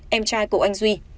em trai của anh duy